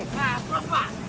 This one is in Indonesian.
nah terus pak